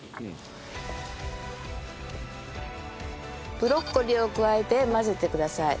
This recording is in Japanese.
ブロッコリーを加えて混ぜてください。